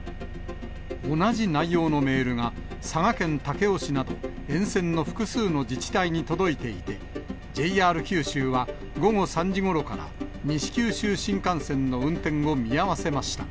同じ内容のメールが、佐賀県武雄市など、沿線の複数の自治体に届いていて、ＪＲ九州は午後３時ごろから、西九州新幹線の運転を見合わせました。